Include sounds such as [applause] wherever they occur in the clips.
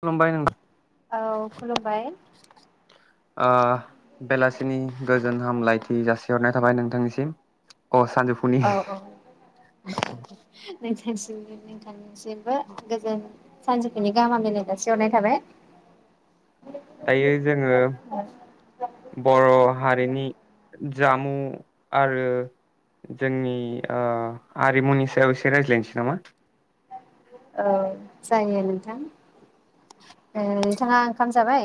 खुलुमबाय नों औ खुलुमबाय ओ बेलासिनि गोजोन हामलायथि जासिहरनाय थाबाय नोंथांनिसिम अ सानजौफुनि औ औ नोंथांनिसिमबो नोंथांनि सिमबो गोजोन सानजौफुनि गाहाम हामलायनाय जासिहरनाय थाबाय दायो जोङो बर' हारिनि जामु आरो जोंनि ओ आरिमुनि सायाव एसे रायज्लायनोसै नामा औ जायो नोंथां उम नोंथाङा ओंखाम जाबाय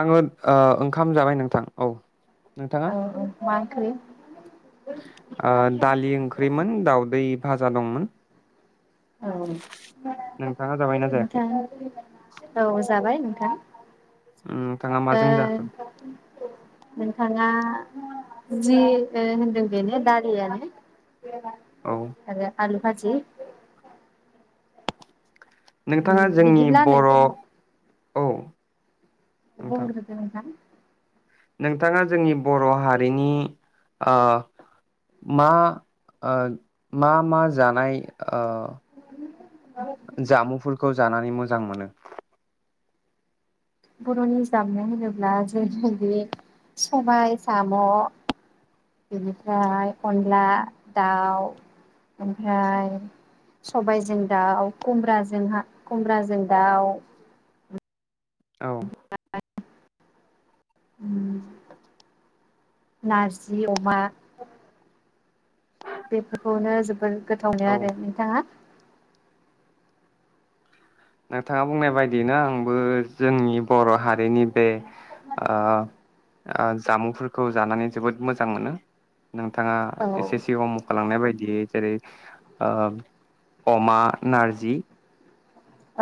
आङो ओ ओंखाम जाबाय नोंथां औ औ औ [unintelligible] [unintelligible] ओह दालि ओंख्रिमोन दाउदै भाजा दंमोन नोंथाङा जाबायना जायाखै [unintelligible] औ जाबाय [unintelligible] उम नोंथाङा माजों जाखो ओ नोंथाङा जि ओ होनदों बेनो दालियानो औ आरो आलु भाजि नोंथाङा उम जोंनि बिदिब्ला बर नोंथां औ नोंथां बुंग्रोदो नोंथां नोंथाङा जोंनि बर हारिनि ओह मा ओह मा मा जानाय अ जामुफोरखौ जानानै मोजां मोनो बरनि जामुं होनोब्ला जेरैबायदि सबाय साम बेनिफ्राय अनला दाउ ओमफ्राय सबायजों दाउ खुमब्राजोंहा खुमब्राजों दाउ औ उम नारजि अमा बेफोरखौनो जोबोद गोथावनो औ आरो नोंथाङा नोंथाङा बुंनाय बायदियैनो आंबो जोंनि बर हारिनि बे ओह ओह जामुंफोरखौ जानानै जोबोद मोजां मोनो नोंथाङा औ एसे सि [unintelligible] बायदियै जेरै अ अमा नारजि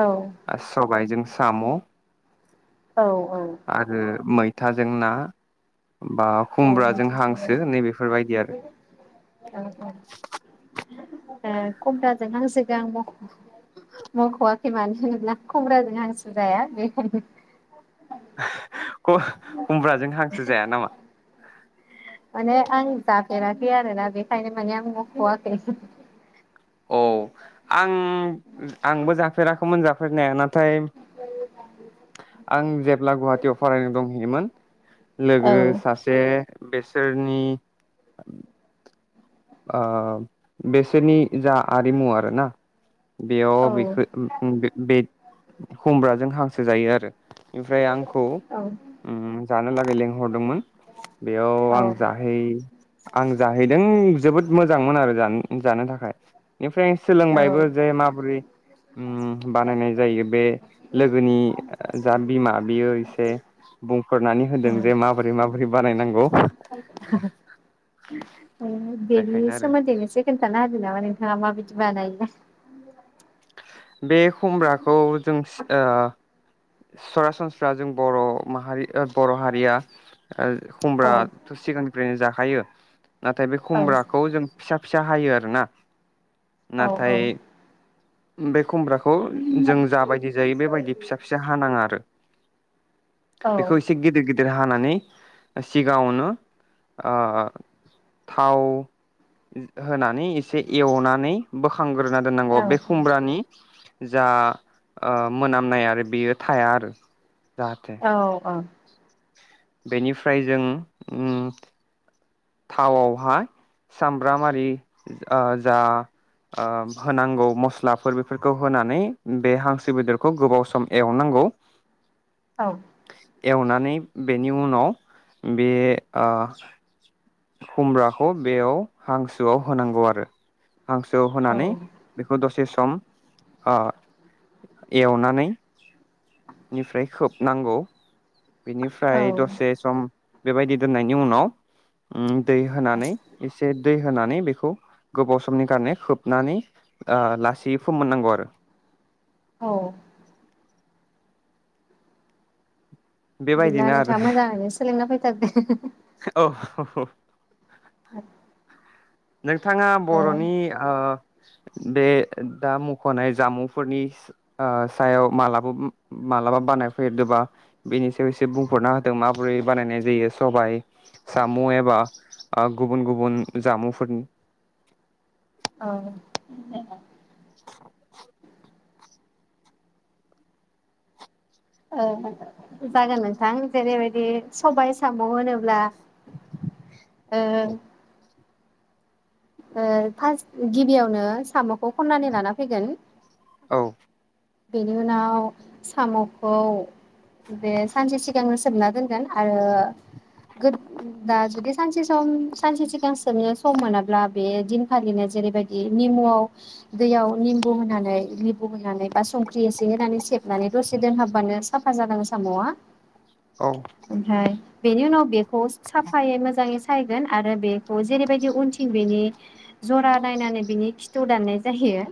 औ [unintelligible] लाइजों साम औ औ आरो मै मैथाजों ना बा औ खुमब्राजों मिथिजोबबाय हांसो नैबेफोरबायदि आरो औ औ खुमब्राजों हांसोखो आं मख-मखवाखै मानो होनोब्ला खमब्राजों हांसो जाया बेखायनो [unintelligible] खुमब्राजों हांसो जाया नामा माने आं जाफेराखै आरोना बेखायनो माने आं मखवाखै औ आं आंबो जाफेराखैमोन जाफेरनाया नाथाय आं जेब्ला गुवाहाटियाव फरायनो दंहैयोमोन औ लोगो सासे बेसोरनि ओ बेसोरनि जा आरिमु आरोना बेयाव औ बेखौ [unintelligible] बे खुमब्राजों हांसो जायो आरो ओमफ्राय आंखौ औ उम जानो लागै लेंंहरदोंमोन बेयाव आं जाहै आं जाहैदों जोबोद मोजांमोन आरो जानो थाखाय बेनिफ्राय औ सोलोंबायबो जे माबोरै ओम बानायनाय जायो बे लोगोनि जा बिमा बियो एसे बुंफोरनानै होदों उम जे माबोरै माबोरै बानायनांगौ नों बेनि बेखायनो आरो सोमोन्दैनो एसे खोन्थानो हो नामा नों दा मा बायदि बानायो बे खुमब्राखौ जों सरासनस्रा जों बर' माहारि बर' हारिया औ खुमब्राथ सिगांनिफ्रायनो जाखायो नाथाय बे औ खुमब्राखौ जों फिसा फिसा हायो आरोना औ नाथाय बे खमब्राखौ जों जाबायदि जायो बेबायदि फिसा फिसा हानाङा आरो औ बेखौ एसे गिदिर गिदिर देरहानानै सिगाङावनो ओ थाव होनानै एसे एवनानै बोखांग्रोना दोननांगौ औ बे खुमब्रानि जा ओ मोनामनाय आरो बेयो थाया आरो जाहाथे औ [inaudible] बेनिफ्राय जों ओम थावआवहा सामब्रामारि ओ जा ओ होनांगौ मस्लाफोर बेफोरखौ होनानै बे हांसो बेदरखौ गोबाव सम एवनांगौ औ एवनानै बेनि उनाव बे ओ खुमब्राखौ बेयाव हांसोआव होनांगौ आरो हांसो होनानै औ बेखौ दसे सम ओ एवनानै निफ्राय खोबनांगौ औ बिनिफ्राय दसे सम बेबायदि दोननायनि उनाव ओम दै होनानै एसे दै होनानै बेखौ गोबाव समनि खारने खोबनानै ओ लासैै फोमोननांगौ आरो औ बिदिब्ला बेबायदिनो आरो नोंथाङा मोजाङैनो सोलोंना फैथारदो [inaudible] औ [unintelligible] नोंथाङा ओ बर'नि ओ बे दा मुंखनाय जामुंफोरनि ओ सायाव मालाबा मालाबा बानायफेदोबा बेनि सायाव एसे बुंहरना होदों माबोरै बानायनाय जायो सबायाइ साम एबा गुबुन गुबुन जामुंफोर [unintelligible] औ [inaudible] ओ जागोन नोंथां जेरैबायदि सबाय साम होनोब्ला ओ ओ फार्स्ट गिबियावनो सामखौ खननानै लाना फैगोन औ। बेनि उनाव सामखौ बे सानसे सिगांनो सोबना दोनगोन आरो गो दा जुदि सानसे सम सानसे सिगां सोबनो सम मोनाब्ला बे दिन फालिनो जेरैबायदि निमुआव दैयाव निम्बु होनानै लिबु‌ होनानै बा संख्रि एसे होनानै सेबनानै दसे दोनहाबबानो साफा जालाङो सामआ औ ओमफ्राय बेनि उनाव बेखौ साफायै मोजाङै सायगोन आरो बेखौ जेरैबायदि उनथिं बेनि जरा नायनानै बिनि खिथु दाननाय जाहैयो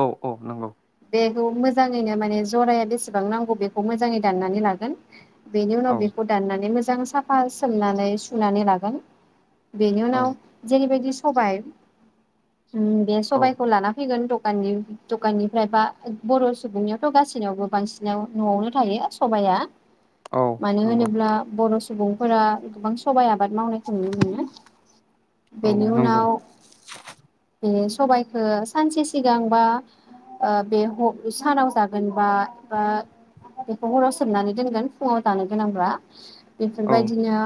औ औ नंगौ। बेखौ मोजाङैनो माने जराया बेसेबां नांगौ बेखौ मोजाङै दाननानै लागोन बेनि औ उनाव बेखौ दाननानै मोजां सिगां साफा सोमनानै सुनानै लागोन। बेनि औ उनाव जेरैबायदि सि सबाइ उम बे औ सबाइखौ लाना फैगोन दग काननि दकाननि ओमफ्रायबा बर सुबुंनियावथ गासैनियावबो बांसिनाव नआवनो थायो सबाइया औ मानो नंगौ होनोब्ला बर स सुबुंफोरा गोबां सबाइ आबाद मावनायखौ नुनो मोनो औ बेनि नंगौ उनाव बे स सबाइखो सानसे सिगां बा ओ बे ह सानाव जागोनबा बा बेखौ हराव सोमनानै दोनगोन फुङाव जानो गोनांब्ला औ बेफोरबायदिनो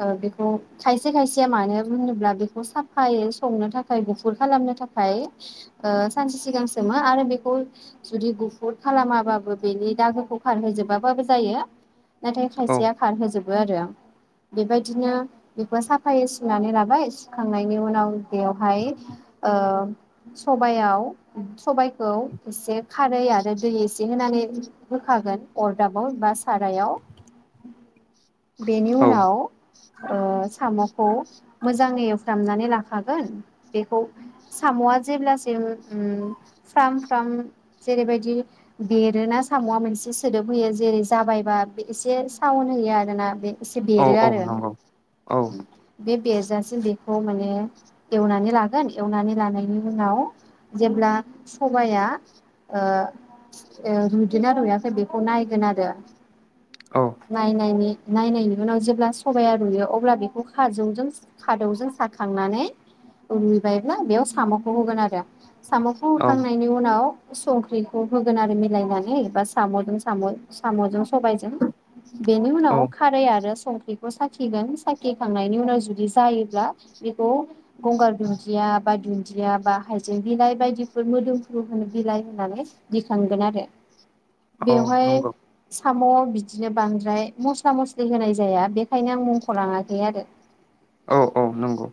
ओ बेखौ खायसे खायसेया मानो होनोब्ला बेखौ साफायै संनो थाखाय गुफुर खालामनो थाखाय ओ सानसे सि सिगां सोमो आरो बेखौ जुदि गुफुर खालामाबाबो बेनि दागोखौ खारहोजोबाबाबो जायो नाथाय औ खायसेया खारहोजोब बो आरो बेबायदिनो बेखौ साफायै सुनानै लाबाय सुखांनायनि उनाव बेवहाय ओ सबाइयाव सबाइखौ एसे खारै आरो दै एसे होनानै होखागोन अरदाबाव बा साराइयाव बेनि औ उनाव ओ सामखौ मोजाङै एवफ्रामनानै लाखागोन बेखौ सामआ जेब्लासिम उम फ्राम फ्राम जेरैबायदि बेरोना सामआ मोनसे सोदोब होयो जेरै जाबायबा एसे साउन होयो आरोना बे एसे औ बेरो औ आरो। नंगौ औ बे बेरजासिम बेखौ माने एवनानै लागोन एवनानै लानायनि उनाव जेब्ला सबाइआ ओ ओ रुयदोना रुयाखै बेखौ नायगोन आरो औ नायनायनि नायनायनि उनाव जेब्ला सबाया रुयो अब्ला बेखौ खाजौजों खादौजों साखांनानै रुयबायब्ला बेयाव सामखौ होगोन आरो। सामखौ औ होखांनायनि उनाव संख्रिखौ होगोन आरो मिलायनानै बा सामजों साम-सामजों सबाइजों बेनि उनाव औ खारै आरो संख्रिखौ साखिगोन साखिखांनायनि उनाव जुदि जायोब्ला बेखौ गंगार दुन्दिया बा दुन्दिया बा हाइजें बिलाइ बायदिफोर मोदोमफ्रु होनो बिलाइ होननानै दिखांगोन आरो औ बेवहाय नंगौ सामआव बिदिनो बांद्राय मस्ला मस्लि होनाय जाया बेखायनो आं मुंखलाङाखै आरो औ औ नंगौ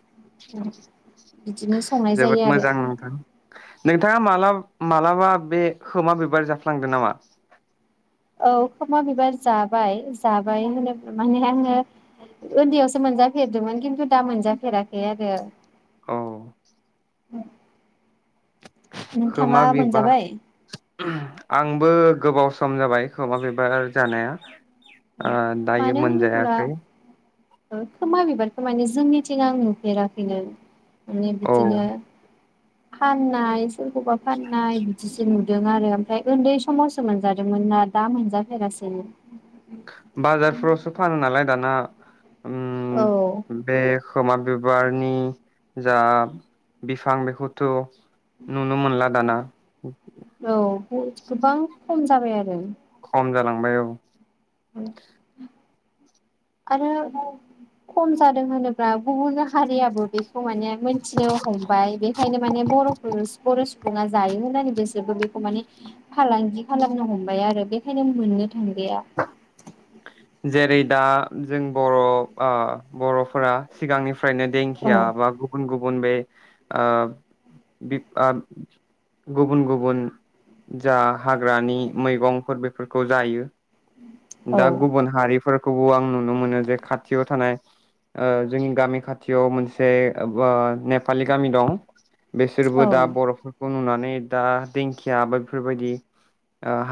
[unintelligible] बिदिनो संनाय जोबोद जायो आरो मोजां नोंथां नोंथाङा मालाब मालाबा बे खोमा बिबार जाफ्लांदों नामा औ खोमा बिबार जाबाय जाबाय होनोबा माने आङो ओन्दैयावसो मोनजाफेरदोंमोन खिन्थु दा मोनजाफेराखै आरो अ खोमा नोंथाङा मोनजाबाय बिबार ओम आंबो गोबाव खम जाबाय खोमा बिबार जानाया औ ओ दायो मोनजायाखै ओ खोमा बिबारखौ माने जोंनिथिं आं नुफेराखैनो माने औ बिदिनो फाननाय सोरखौबा फाननाय बिदिसो न दों आरो ओमफ्राय ओन्दै समावसो मोनजादोंमोन ना दा मोनजाफेरासैनो बाजारफ्रावसो फानो नालाय दाना औ उम बे खोमा बिबारनि जा बिफां बेखौथ नुनो मोनला दाना [unintelligible] औ गोबां खम जाबाय आरो खम जालांबाय औ औ आरो खम जादों होनोब्ला गुबुन हारियाबो बेखौ माने मोनथिनो हमबाय बेखायनो माने बरफोर बर सुबुङा जायो होननानै बिसोरबो बेखौ माने फालांगि खालामनो हमबाय आरो बेखायनो मोननो थांलिया जेरै दा जों बर ओ बरफोरा सिगांनिफ फ्रायनो औ देंखिया बा गुबुन गुबुन गुबुन बे ओ बि ओ गुबुन गुबुन जा हाग्रानि मैगंफोर बेफोरखौ जायो औ दा गुबुन हारिफोर खौबो आंनो नु नो मोनो जे खाथियाव थानाय ओ जोंनि गामि खाथियाव मोनसे ओ बा नेपालि गामि दं बिसोरबो औ दा बरफोरखौ नुनानै दा दिंखिया बा बेफोरबायदि ओ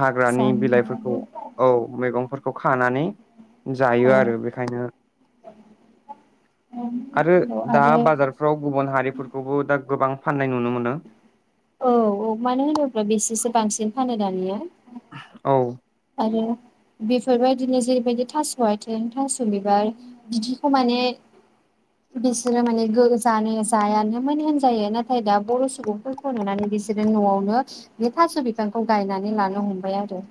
हाग्रानि बिलाइफोरखौ जानो औ मेगंफोरखौ खानानै जायो औ आरो बेखायनो आरो औ दा आरो बाजारफ्राव गुबुन हारिफोरखौबो दा गोबां फान औ औ मानो होनोब्ला बेसेसो बांसिन फानो दानिया औ आरो बेफोरबायदिनो जेरैबायदि थास आथिं थास बिबार बिदिखौ माने बिसोरो माने गो जानो माने जायानोमोन होनजायो नाथाय दा बर सुबुंफोरखौ नुनानै बिसोरो नआवनो बे थास बिफांखौ गायनानै लानो हमबाय आरो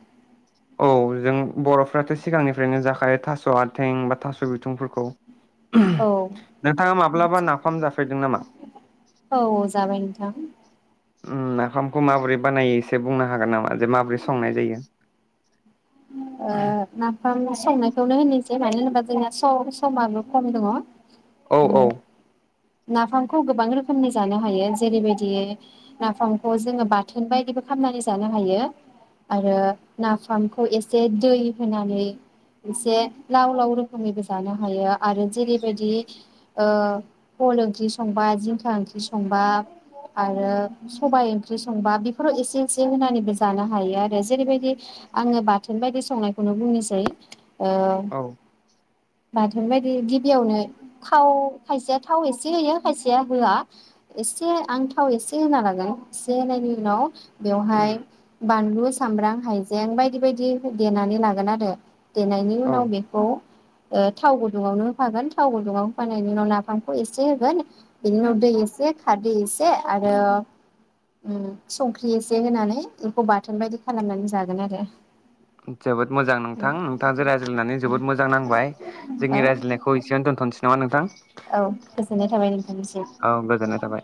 औ जों बरफ्राथ सिगांनिफ्रायनो जाखायो थास आथिं बा थास बिथंफोरखौ औ नाफाम जाफेरदों नामा औ जाबाय नोंथां ओम नाफामखौ माबोरै बानायो एसे बुंनो हागोन नामा जे माबोरै संनाय जायो ओम संनायखौनो होनोसै मानो होनोबा जोंना सम समाबो खम दङ औ औ नाफामखौ गोबां रोखोमनि जानो हायो जेरैबायदियै नाफामखौ जोङो बाथोन बायदिबो खालामामनानै जानो हायो आरो नाफामखौ एसे दै होनानै एसे लाव लाव रोखोमैबो जानो हायो आरो जेरैबायदि ओ फल ओंख्रि संबा जिंखा ओंख्रि संबा आरो सबाय ओंख्रि संबा बेफोराव एसे एसे होनानैबो जानो हायो आरो जेरैबायदि आङो बाथोन बायदि संनायखौनो बुंनोसै औ औ बाथोन बायदि गिबियावनो थाव खायसेया थाव एसे होयो खायसेया होआ एसे आं थाव एसे होना लागोन एसे होनायनि उनाव बेवहाय बानलु सामब्राम हाइजें हायजें बायदि बायदि देनानै लागोन आरो देनायनि औ उनाव बेखौ थाव गुदुङावनो होफागोन थाव गुदुङाव होफानायनि उनाव नाफामखौ एसे होगोन बेनि उनाव दै एसे खारदै एसे आरो ओ संख्रि एसे होनानै बेखौ बाथोन बायदि खालामनानै जागोन जागोन आरो जोबोद मोजां नोंथां नोंथांजों रायज्लायनानै जोबोद मोजां नांबाय औ जोंनि रायज्लायनायखौ एसेनो दोन्थनोसै नङा नोंथां औ गोजोननाय थाबाय नोंथांनिसिम औ गोजोननाय थाबाय